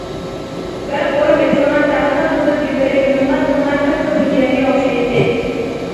بەرق ئۇرۇپ ئېچىلغان تەڭرىتاغ قىزىل گۈللىرى زېمىنغا سېلىنغان قىپقىزىل گىلەمگە ئوخشايتتى.